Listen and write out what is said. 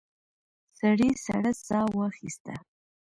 سړي سړه ساه واخیسته.